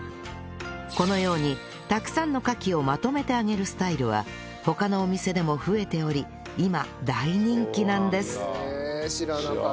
このようにたくさんのカキをまとめて揚げるスタイルは他のお店でも増えており今大人気なんですへえ知らなかった。